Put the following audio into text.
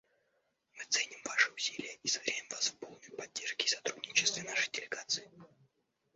Мы ценим ваши усилия и заверяем вас в полной поддержке и сотрудничестве нашей делегации.